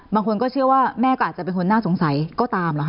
บางคนก็เชื่อว่าแม่ก็อาจจะเป็นคนน่าสงสัยก็ตามเหรอค